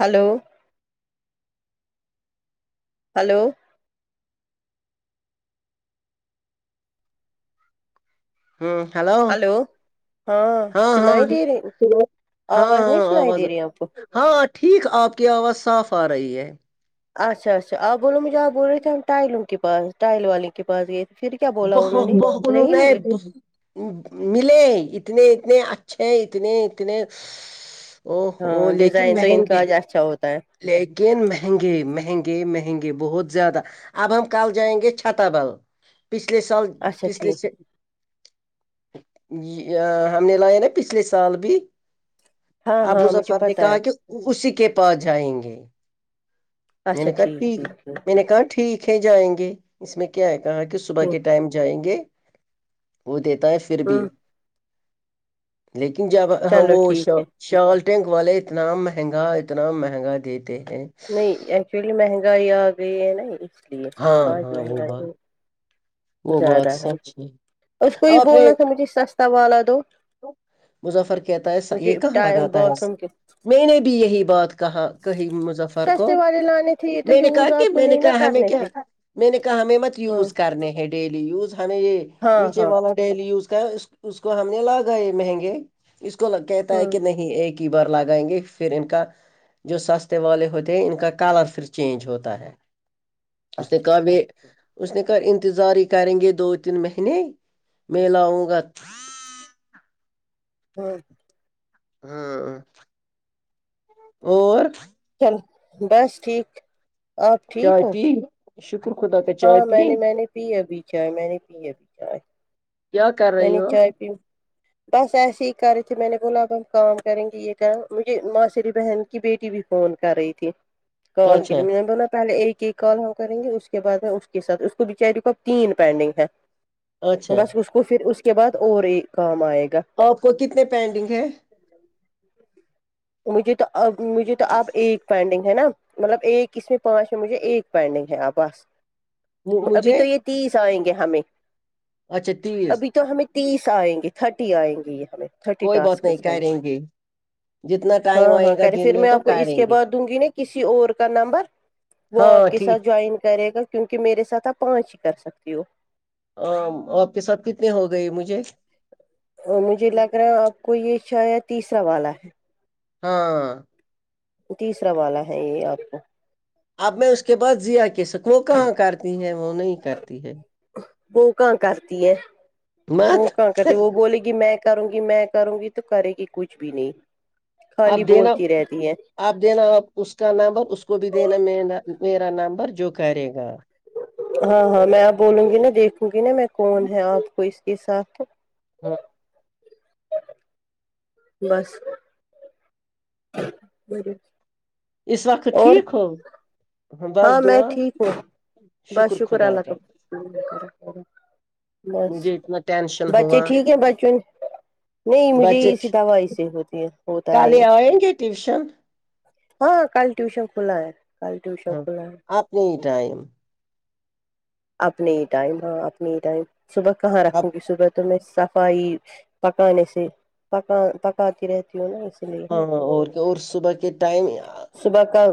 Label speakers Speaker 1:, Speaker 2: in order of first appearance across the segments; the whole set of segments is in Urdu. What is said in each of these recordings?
Speaker 1: ہلو ہیلو
Speaker 2: ہوں ہیلو
Speaker 1: ہلو
Speaker 2: ہاں ہاں
Speaker 1: سنائی دے رہی
Speaker 2: ہیلو ہاں
Speaker 1: آواز نہیں
Speaker 2: ہاں
Speaker 1: سنائی
Speaker 2: آواز
Speaker 1: دے رہی آپ کو
Speaker 2: ہاں ٹھیک آپ کی آواز صاف آ رہی ہے
Speaker 1: اچھا اچھا آپ بولو مجھے آپ بول رہے تھے ہم ٹائلوں کے پا ٹائل والے کے پاس گئے تھے پھر کیا بولا انہوں نے نہیں ملے
Speaker 2: [unintelligible] ملے اتنے اتنے اچھے اتنے اتنے او ہو
Speaker 1: ہاں
Speaker 2: لیکن
Speaker 1: ڈیزائن تو ان کا
Speaker 2: مہنگے
Speaker 1: آج اچھا ہوتا ہے
Speaker 2: لیکن مہنگے مہنگے مہنگے بہت زیادہ اب ہم کل جائیں گے چھتا باز پچھلے سال
Speaker 1: اچھا
Speaker 2: پچھلے
Speaker 1: ٹھیک
Speaker 2: یہ ہم نے لایا نا پچھلے سال بھی
Speaker 1: ہاں
Speaker 2: اب
Speaker 1: ہاں مجھے
Speaker 2: مظفر نے
Speaker 1: پتا
Speaker 2: کہا
Speaker 1: ہے
Speaker 2: کہ اسی کے پاس جائیں گے میں نے کہا ٹھیک میں نے کہا ٹھیک ہے جائیں گے اس میں کیا ہے کہا کہ صبح کے
Speaker 1: ٹھیک
Speaker 2: ٹائم جائیں گے وہ دیتا ہے پھر بھی
Speaker 1: ہوں
Speaker 2: لیکن جب ہم
Speaker 1: چلو
Speaker 2: وہ
Speaker 1: ٹھیک ہے
Speaker 2: ش شال ٹینک والے اتنا مہنگا اتنا مہنگا دیتے ہیں
Speaker 1: نہیں ایکچولی مہنگائی آ گئی ہے نا اس لیے
Speaker 2: ہاں
Speaker 1: آج
Speaker 2: ہاں وہ بات
Speaker 1: مہنگائی
Speaker 2: وہ
Speaker 1: زیادہ
Speaker 2: بات
Speaker 1: ہے
Speaker 2: سچ
Speaker 1: اس کو یہ
Speaker 2: آپ نے
Speaker 1: بولنا تھا مجھے سستا والا دو
Speaker 2: مظفر کہتا ہے یہ
Speaker 1: مجھے
Speaker 2: کہا لگاتا ہے
Speaker 1: باتھ روم
Speaker 2: میں نے بھی یہی بات کہاکہی مظفر کو
Speaker 1: سستے والے لانے تھے یہ تو
Speaker 2: میں نے کہا
Speaker 1: یوز
Speaker 2: کہ
Speaker 1: آپ کو
Speaker 2: میں نے
Speaker 1: نہیں نہ
Speaker 2: کہا ہمیں
Speaker 1: کرنے
Speaker 2: کیا
Speaker 1: تھے
Speaker 2: میں نے کہا ہمیں مت
Speaker 1: ہوں
Speaker 2: یوز کرنے ہے ڈیلی یوز ہمیں یہ
Speaker 1: ہاں
Speaker 2: نیچے
Speaker 1: ہاں
Speaker 2: والا ڈیلی یوز کر اس کو ہم نے لگا ئے مہنگے اس کو کہتا ہے
Speaker 1: ہوں
Speaker 2: کہ نہیں ایک ہی بار لگائیں گے پھر ان کا جو سستے والے ہوتے ہیں انکا کلر پھر چینج ہوتا ہے اس سے
Speaker 1: اچھا
Speaker 2: کہا بھی
Speaker 1: ٹھیک ٹھیک
Speaker 2: اس نے کہا انتظار ہی کریں گے دو تین مہینے میں لاؤں گا
Speaker 1: ہاں
Speaker 2: ہاں اور
Speaker 1: چل بس ٹھیک آپ ٹھیک
Speaker 2: چائے
Speaker 1: ہو
Speaker 2: پی شکر خدا کا
Speaker 1: ہاں
Speaker 2: چائے
Speaker 1: میں
Speaker 2: پی
Speaker 1: نے میں نے پی ابھی چائے میں نے پی ابھی
Speaker 2: کیا
Speaker 1: چائے
Speaker 2: کر
Speaker 1: میں
Speaker 2: رہی
Speaker 1: نے
Speaker 2: ہو
Speaker 1: چائے پی بس ایسے ہی کر رہے تھے میں نے بولاب ہم کام کریں گے یہ کہ مجھے ماشری بہن کی بیٹی بھی فون کر رہی تھی کال کی
Speaker 2: اچھا
Speaker 1: میں نے بولا پہلے ایک ایک کال ہم کریں گے اس کے بعد میں اس کے سات اس کو بچاری کو تین پینڈنگ ہے
Speaker 2: اچھا
Speaker 1: بس اس کا وہ پھر اس کے بعد اورایک کام آئےگا
Speaker 2: آپ کو کتنے پینڈنگ ہے
Speaker 1: مجھے تواب مجھے تو آپ ایک پینڈنگ ہے نا مطلب ایک اس میں پانچ میں مجھے ایک پینڈنگ ہے اب بس
Speaker 2: مو-
Speaker 1: ابھی
Speaker 2: مجھے
Speaker 1: تو یہ تیس آئیں گے ہمیں
Speaker 2: اچھا تیس
Speaker 1: ابھی تو ہمیں تیس آئیں گے تھرٹی آئیں گے یہ ہمیں تھرٹی
Speaker 2: کوئی بات نہیں
Speaker 1: ٹاسکس ہیں یہ
Speaker 2: کریں گے جتنا ٹا
Speaker 1: ہاں ہاں کریں پھر میں آپ کو اس کے بعد دوں گی نا کسی اور کا نمبر وہ آپ
Speaker 2: ہاں
Speaker 1: کے
Speaker 2: ٹھیک
Speaker 1: ساتھ جوائن کرے گا کیونکہ میرے ساتھ آپ پانچ ہی کر سکتی ہو
Speaker 2: ا آپ کے ساتھ کتنے ہو گئے مجھے
Speaker 1: اور مجھے لگ رہا ہے آپ کو یہ شاید تیسرا والا ہے
Speaker 2: ہاں
Speaker 1: تیسرا والا ہے یہ آپ کو
Speaker 2: اب میں اس کے بعد زییا کے سک وہ کہاں کرتی ہے وہ نہیں کرتی ہے
Speaker 1: وہ کہا کرتی ہے
Speaker 2: مت
Speaker 1: وہوکا کہتے وہ بولے گی میں کروں گی میں کروں گی تو کرے گی کچھ بھی نہیں
Speaker 2: آپ
Speaker 1: خالی
Speaker 2: دینا
Speaker 1: بولتی رہتی ہے
Speaker 2: آپ دینا اپ اس کا نمبر اس کو بھی دینا م میرا نمبر جو کرے گا
Speaker 1: ہاں ہاں میں آپ بولوں گی نا دیکھوں گی نا میں کون ہے آپ کو اس کے ساتھ ہو
Speaker 2: ہاں
Speaker 1: بس [unintelligible]
Speaker 2: اس وقت
Speaker 1: اور
Speaker 2: ٹھیک ہو
Speaker 1: ہاں
Speaker 2: بس
Speaker 1: میں
Speaker 2: دعا
Speaker 1: ٹھیک ہوں بس شکر اللہ کا بس
Speaker 2: مجھے اتنا ٹینشن ہوا
Speaker 1: بچے ٹھیک ہیں باجی نہیں مجھے
Speaker 2: بچے
Speaker 1: اسی دوائی سے ہوتی ہے ہوتا ہے
Speaker 2: کالے
Speaker 1: یہ
Speaker 2: آئیں گے ٹیوشن
Speaker 1: ہاں کل ٹیوشن کھلا ہے کل ٹیوشن کھلا ہے
Speaker 2: آپ نے ہی ٹائم
Speaker 1: اپنے ہی ٹائم ہاں اپنے ہی ٹائم صبح کہاں
Speaker 2: اب
Speaker 1: رکھوں گی صبح
Speaker 2: ہاں
Speaker 1: تمس صفائیی پکانے سے پکا پکاتی رہتی ہوں نا اس میں
Speaker 2: ہاں اور اور صبح کے ٹائم
Speaker 1: صبح کا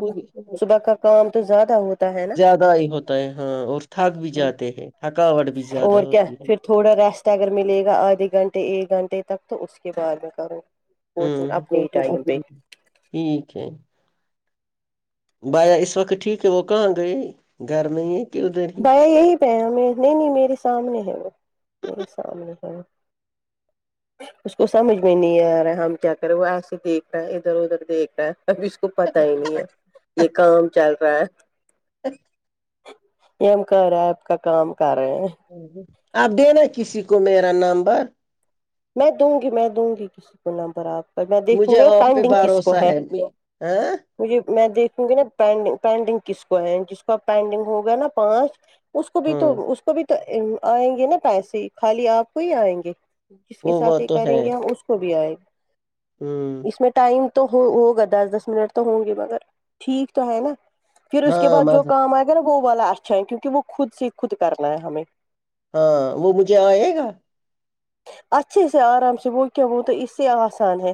Speaker 1: صبح کا کام تو زیادہ ہوتا ہے نا
Speaker 2: زیادہ ہی ہوتا ہے ہاں اور تھک بھی جاتے ہیں تھکاوٹ بھی زیادہ
Speaker 1: اور کیا
Speaker 2: ہوتی ہے
Speaker 1: پھر تھوڑا ریسٹ اگر ملے گا آدھے گھنٹے ایک گھنٹے تک تو اس کے بعد میں کروں کوچنگ اپنے ہی ٹائم پہ
Speaker 2: ہوں ٹھیک ہے بایا اس وقت ٹھیک ہے وہ کہاں گئے گھر نہیں ہے کہ ادھر ہی
Speaker 1: بایا یہی پہ ہے مے نہیں نہیں میرے سامنے ہے وہ میرے سامنے ہے وہ اس کو سمجھ میں نہیں آ رہا ہے ہم کیا کرے وہ ایسے دیکھ رہا ہے ادھر ادھر دیکھ رہا ہے ابھی اس کو پتا ہی نہیں ہے یہ کام چل رہا ہے یہ ہم کہ رہے آپ کا کام کر رہے ہیں
Speaker 2: آپ دینا کسی کو میرا نمبر
Speaker 1: میں دوں گی میں دوں گی کسی کو نمبر آپ اور میں دیکھوں
Speaker 2: مجھے
Speaker 1: گا
Speaker 2: آپ پہ
Speaker 1: پینڈنگ کس کو
Speaker 2: بھروسہ
Speaker 1: ہے
Speaker 2: ہاں
Speaker 1: مجھے میں دیکھوں گی نا پینڈنگ پینڈنگ کس کو ہے جس کو پینڈنگ ہوگا نا پانچ اس کو بھی
Speaker 2: ہاں
Speaker 1: تو اس کو بھی تو ام آئیں گے نا پیسے خالی آپ کو ہی آئیں گے جس کے
Speaker 2: وہ وہ
Speaker 1: ساتھ ہی
Speaker 2: تو ہے
Speaker 1: کریں گے ہم اس کو بھی آئیں گے
Speaker 2: ہ
Speaker 1: اس میں ٹائم تو ہو ہوگا دس دس منٹ تو ہوں گے مگر ٹھیک تو ہے نا پھر اس کے
Speaker 2: ہاں
Speaker 1: بعد جو
Speaker 2: مذہب،
Speaker 1: کام آئے گا نا وہ والا اچھا ہے کیونکہ وہ خود سے خود کرنا ہے ہمیں
Speaker 2: ہاں وہ مجھے آئے گا
Speaker 1: اچھے سے آرام سے وہ کیا وہ تو اس سے آسان ہے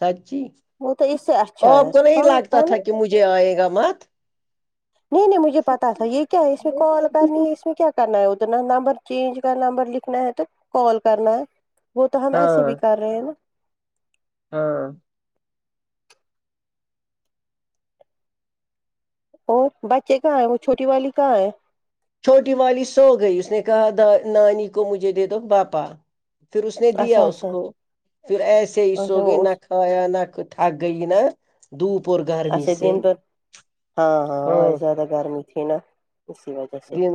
Speaker 2: سچی
Speaker 1: وہ تو اس سے اچھا
Speaker 2: آپ
Speaker 1: ہے
Speaker 2: کو نہیں
Speaker 1: ہاں
Speaker 2: لگتا
Speaker 1: ہے نا
Speaker 2: تھا کہ مجھے آئے گا مت
Speaker 1: نہیں نہیں مجھے پتہ تھا یہ کیا ہے اس میں کال کرنی ہے اس میں کیا کرنا ہے ادھر نہ نمبر چینج کر نمبر لکھنا ہے تو کال کرنا ہے وہ تو ہم ایسے بھی
Speaker 2: ہاں
Speaker 1: کر رہے ہیں نا
Speaker 2: ہاں
Speaker 1: اور بچے کہاں ہے وہ چھوٹی والی کہاں ہے
Speaker 2: چھوٹی والی سو گئی اس نے کہا دا نانی کو مجھے دے دو پاپا پھر اس نے دیا
Speaker 1: اچھا
Speaker 2: اس
Speaker 1: اچھا
Speaker 2: کو پھر ایسے ہی
Speaker 1: اچھا
Speaker 2: سوگئ
Speaker 1: وہ
Speaker 2: نہ کھ ایا نہ کچھ تھک گئی نا دھوپ اور گر
Speaker 1: [unintelligible] ہاں ہاں اور زیادہ گرمی تھی نا اسی وجہ سے
Speaker 2: دن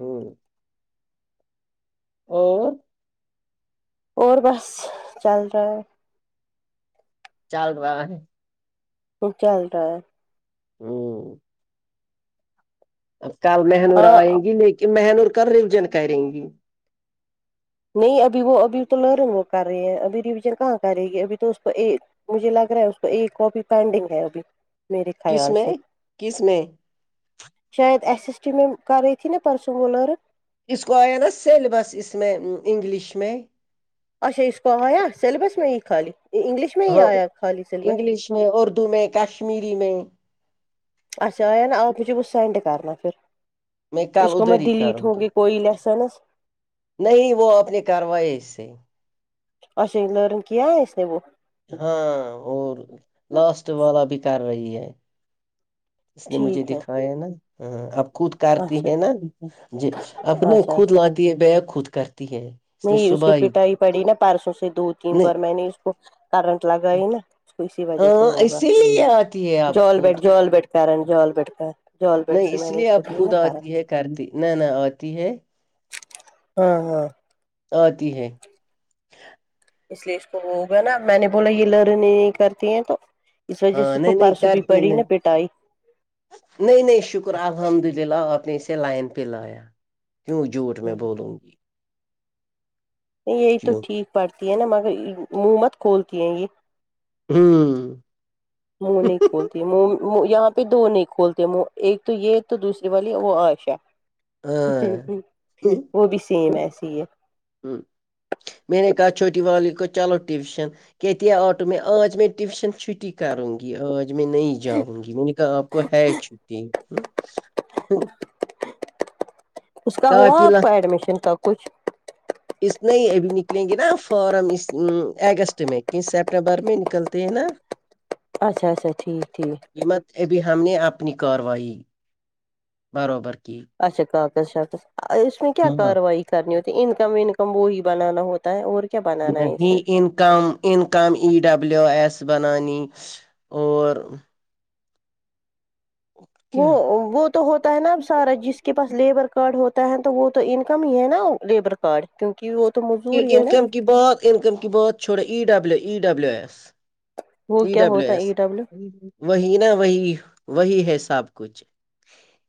Speaker 2: ہوں اور
Speaker 1: اور بسس چل رہا ہے
Speaker 2: چل با بائ
Speaker 1: وہ چل رہا ہے
Speaker 2: اوں اب کل مہ نور آئیں
Speaker 1: ہاں
Speaker 2: گی لیکن مہ نور کل ریوژن کریں گی
Speaker 1: نہیں ابھی وہ ابھی تو لرنینگ وہ کر رہی ہیں ابھی ریویژن کہاں کرے گی ابھی تو اس کو ایک مجھے لگ رہا ہے اس کو ایک کاپی پینڈنگ ہے ابھی میرے
Speaker 2: کس
Speaker 1: خیال
Speaker 2: میں
Speaker 1: سے
Speaker 2: کس میں
Speaker 1: شاید ایسسٹیمم کر رہی تھی نا پرسوں مہ نور
Speaker 2: اسکو آیا ہے نہ سلیبس اس میں انگلش میں
Speaker 1: اچھا اس کو آیا سلیبس میں ہی خالی انگلش میں ہی
Speaker 2: ہاں
Speaker 1: آیا خالی سلیبس
Speaker 2: انگلش میں اردو میں کشمیری میں
Speaker 1: اچھا آیا نا آپ مجھے وہ سینڈ کرنا پھر
Speaker 2: میں کل
Speaker 1: اس کو میں
Speaker 2: ادھر ہی
Speaker 1: ڈیلیٹ
Speaker 2: کروں
Speaker 1: ہوں گی کوئی لسنس
Speaker 2: نہیں وہ آپ نے کروائی اس سے
Speaker 1: اچھا [unintelligible] کیا اس نے وہ
Speaker 2: ہاں اور لاسٹ والا بھی کر رہی ہے اس نے مجھے
Speaker 1: ٹھیک ہے
Speaker 2: دکھایا نا اب خود کرتی
Speaker 1: اچھا
Speaker 2: ہے نا جی اپ نے
Speaker 1: اچھا
Speaker 2: خود
Speaker 1: اچھا
Speaker 2: لا ہے خود کرتی ہیں
Speaker 1: نہیں اس کی پیٹائی پڑی نا پرسوں سے دو تین
Speaker 2: نہیں
Speaker 1: بار میں نے اس کو کرنٹ لگا ہے نا اسی وجہ سے
Speaker 2: ہاں
Speaker 1: ہوگا
Speaker 2: اسی لیے آتی ہے آپ
Speaker 1: جال بیٹ
Speaker 2: خود
Speaker 1: جال بیٹ کرن جوال بیٹکا
Speaker 2: نہیں اس لیے اب خود آتی ہے کر دی نہ نہ آتی ہے
Speaker 1: ہاں ہاں
Speaker 2: آتی ہے
Speaker 1: اس لیے اس کو وہ ہوگا نا میں نے بولا یہ لرن نہیں کرتی ہیں تو اس وجہ سے
Speaker 2: ہاں
Speaker 1: اس کو
Speaker 2: نہیں نہیں
Speaker 1: پرس بھی
Speaker 2: کرتی
Speaker 1: پڑی
Speaker 2: نہیں
Speaker 1: نا پیٹائی
Speaker 2: نہیں نہیں شکر الحمد للہ آپ نے اسے لائن پہ لایا کیوں جھوٹ میں
Speaker 1: نہیں
Speaker 2: بولوں گی
Speaker 1: نہیں یہی تو
Speaker 2: کیوں
Speaker 1: ٹھیک پڑھتی ہے نا مگر مو مت کھولتی ہے یہ
Speaker 2: ہوں
Speaker 1: منہ نہیں کھولتی یہاں پہ دو نہیں کھولتے منہ ایک تو یہ تو دوسری والی وہ آئش ہ
Speaker 2: ہاں
Speaker 1: وہ بھی سیم ایسی ہے
Speaker 2: ہمم میں نے کہا چھوٹی والی کو چلو ٹیوشن کہتی آٹو میں آج میں ٹیوشن چھٹی کروں گی آج میں نہیں جاؤں گی میں نے کہا آپ کو ہے چھٹی ہ
Speaker 1: اس کا ہوا
Speaker 2: کاپلا
Speaker 1: آپ کا ایڈمیشن کا کچھ
Speaker 2: اس میں ہی ابھی نکلیں گے نا فارم اس اگست میں کہ سپٹمبر میں نکلتے ہیں نا
Speaker 1: اچھا اچھا ٹھیک ٹھیک
Speaker 2: قیمت ابھی ہم نے اپنی کاروائی برابر کی
Speaker 1: اچھا کاغذ شاغذ اس میں کیا
Speaker 2: ہاں
Speaker 1: کاروائی کرنی ہوتی انکم ونکم وہی بنانا ہوتا تا ہے اور کیا بات
Speaker 2: نہیں income income E W S بنانی اور
Speaker 1: وہ
Speaker 2: کیا
Speaker 1: وہ تو ہوتا ہے نا اب سارا جس کے پاس لیبر کارڈ ہوتا ہے تو وہ تو انکم ہی ہے نا لیبر پڑ کیونکہ وہ تو مزدور ہی ہے نا
Speaker 2: انکم کہ بات انکم کی بات چھڑا E W E W S
Speaker 1: وہ
Speaker 2: ای
Speaker 1: کیا
Speaker 2: ڈبلیو
Speaker 1: ہوتا ہے
Speaker 2: ایس
Speaker 1: ای ڈبلو
Speaker 2: وہی نا وہی وہی ہے سب کچھ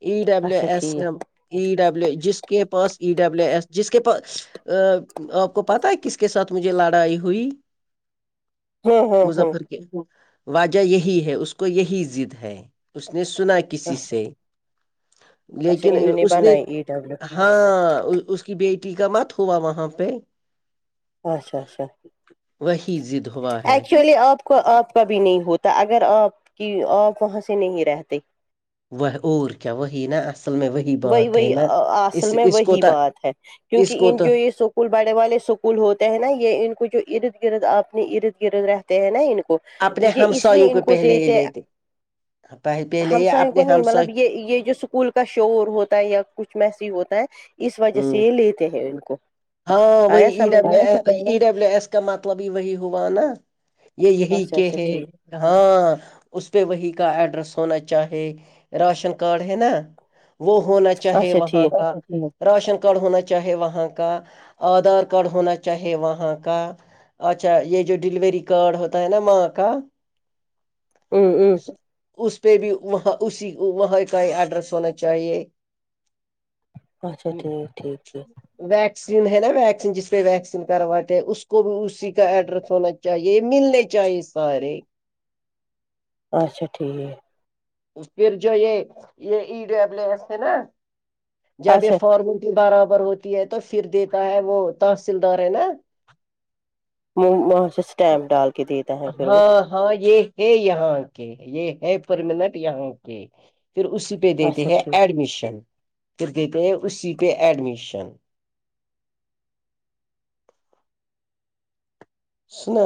Speaker 2: ای ڈبلو
Speaker 1: اچھا ٹھیک
Speaker 2: ایسم ای ڈبلو جس کے پاس ای ڈبلو ایس جس کے پاس ا آپ کو پتا ہے کس کے ساتھ مجھے لڑائی ہوئی
Speaker 1: ہاں ہاں ہاں
Speaker 2: مظفر ہ واجہ یہی ہے اس کو یہی ضد ہے اس نے سنا کسی
Speaker 1: اچھا
Speaker 2: سے
Speaker 1: اچھا
Speaker 2: لیکن
Speaker 1: انہوں
Speaker 2: اس نے
Speaker 1: بنائی ای ڈبلو
Speaker 2: ہاں اس کی بیٹی کا مت ہوا وہاں پہ
Speaker 1: اچھا اچھا
Speaker 2: وہی ضد ہوا ہے
Speaker 1: ایکچولی آپ کو آپ کبھی نہیں ہوتا اگر آپ کی آپ وہاں سے نہیں رہتے
Speaker 2: وہ اور کیا وہی نا اصل میں وہی
Speaker 1: وہی
Speaker 2: بات ہے
Speaker 1: وہی
Speaker 2: نا
Speaker 1: اصل
Speaker 2: اس
Speaker 1: میں
Speaker 2: اس کو
Speaker 1: وہی
Speaker 2: تو
Speaker 1: بات ہے
Speaker 2: اس
Speaker 1: کیونکہ
Speaker 2: کو
Speaker 1: ان
Speaker 2: تو
Speaker 1: جو یہ سب اسکول بڑے والے اسکول ہوتے ہیں نا یہ ان کو جو ارد گرد اپنے ارد گرد رہتے ہیں نا ان کو
Speaker 2: اپنے
Speaker 1: یہ اس
Speaker 2: ہمسایوں
Speaker 1: لیے ان کو
Speaker 2: پہلے
Speaker 1: دے
Speaker 2: یہ
Speaker 1: تے
Speaker 2: لیتے پہ- پہلے یہ
Speaker 1: ہمسائ
Speaker 2: اپنے
Speaker 1: کو نہیں
Speaker 2: ہمسائے
Speaker 1: مطلب یہ یہ جو س پل کا شور ہوتا ہے یا کچھ میسی ہوتا ہے اس وجہ سے
Speaker 2: ہوں
Speaker 1: یہ لیتے ہیں ان کو
Speaker 2: ہاں وہی
Speaker 1: آیا
Speaker 2: ای
Speaker 1: سمجھ میں
Speaker 2: ڈبلو ای ڈبلیو ایس کا مطلب ہی وہی ہوا نا یہ یہی
Speaker 1: اچھا
Speaker 2: کہ
Speaker 1: اچھا
Speaker 2: ہے
Speaker 1: ٹھیک
Speaker 2: ہاں اس پہ وہی کا ایڈریس ہونا چاہے راشن کارڈ ہے نا وہ ہونا چاہے
Speaker 1: اچھا
Speaker 2: وہاں
Speaker 1: ٹھیک
Speaker 2: کا راشن کارڈ ہونا چاہے وہاں کا آدھار کارڈ ہونا چاہے وہاں کا اچھا یہ جو ڈیلیوری کارڈ ہوتا ہے نا ماں کا
Speaker 1: ام ام
Speaker 2: اس پہ بھی وہاں اسی وہاں کا ہی ایڈریس ہونا چاہیے
Speaker 1: اچھا ٹھیک ٹھیک ٹھ
Speaker 2: ویکسین ہے نا ویکسین جس پہ ویکسین کرواتے اس کو بھی اسی کا ایڈریس ہونا چ چاہیے ملنے چاہیے سارے
Speaker 1: اچھا ٹھیک
Speaker 2: پھر جو یہ یہ ڈے نا جب
Speaker 1: اچھا
Speaker 2: ف برابر ہوتی ہے تو پھر دیتا ہے وہ تحصیل دار ہے نا
Speaker 1: م
Speaker 2: ہاں ہاں یہ ہے یہاں کے یہ ہے پرماننٹ یہاں کے پھر اسی پہ دیتے
Speaker 1: اچھا
Speaker 2: ہیں
Speaker 1: ٹھیک
Speaker 2: ایڈمیشن پھر دیتے ہیں اسی پہ ایڈمیشن سنو